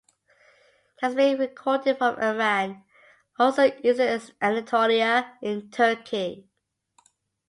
It has been recorded from Iran, and also eastern Anatolia in Turkey.